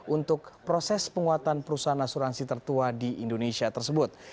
untuk proses penguatan perusahaan asuransi tertua di indonesia tersebut